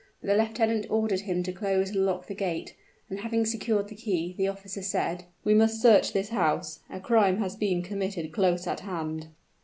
But the lieutenant ordered him to close and lock the gate; and having secured the key, the officer said, "We must search this house; a crime has been committed close at hand."